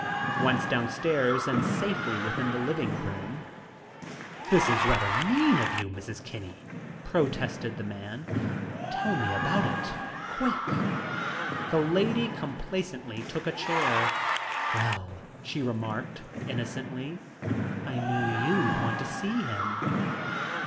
Once down stairs and safely within the living room "This is rather mean of you Mrs. Kinney!" protested the man. "Tell me all about it, quick!" The lady complacently took a chair. "Well," she remarked innocently, "I knew you'd want to see him."